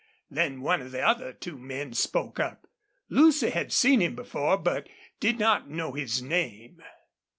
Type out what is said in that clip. Then one of the other two men spoke up. Lucy had seen him before, but did not know his name.